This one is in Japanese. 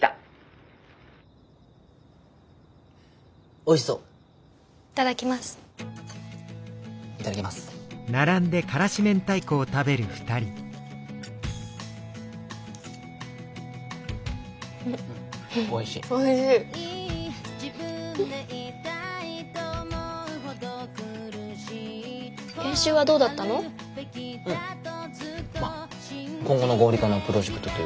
まあ今後の合理化のプロジェクトというか流れというか。